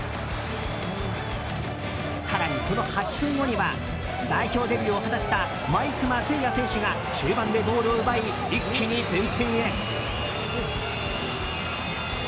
更に、その８分後には代表デビューを果たした毎熊晟矢選手が中盤でボールを奪い一気に前線へ。